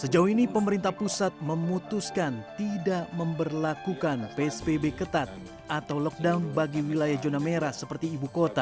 sejauh ini pemerintah pusat memutuskan tidak memperlakukan psbb ketat atau lockdown bagi wilayah zona merah seperti ibu kota